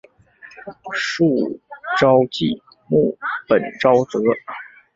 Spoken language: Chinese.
树沼即木本沼泽。